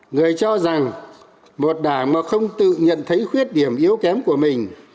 người cho rằng một đảng mà không tự nhận thấy khuyết điểm yếu kém của mình